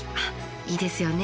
いいですよね。